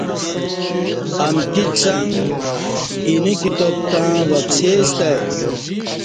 امکی څݣ اینه کتابه تں وپسی سته ای